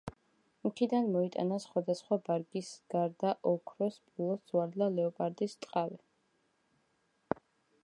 იქიდან მოიტანა სხვადასხვა ბარგის გარდა ოქრო, სპილოს ძვალი და ლეოპარდის ტყავი.